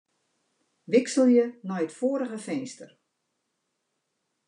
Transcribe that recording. Wikselje nei it foarige finster.